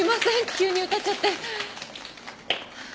急に歌っちゃって。